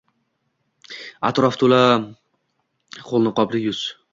Атроф тўла кўпниқобли юз